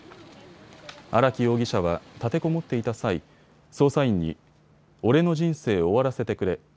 荒木容疑者は立てこもっていた際、捜査員に俺の人生を終わらせてくれ。